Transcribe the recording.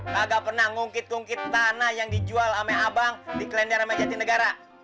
kagak pernah ngungkit ngungkit tanah yang dijual ama abang di klender ama jatin negara